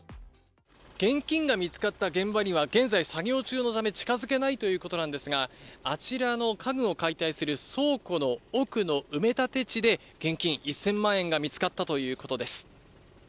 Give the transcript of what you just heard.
現金が見つかった現場には現在、作業中のため近づけないということなんですが、あちらの家具を解体する倉庫の奥の埋立地で現金１０００万円が見つかったということです。